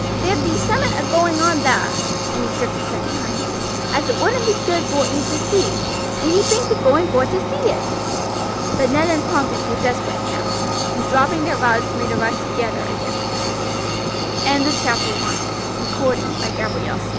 There be summat a going on thar," and he jerked his head behind him, "as it wouldn't be good vor ee to see, and ye bain't a going vor to see it." But Ned and Tompkins were desperate now, and dropping their rods made a rush together against him. CHAPTER II: THE FIGHT ON THE MOOR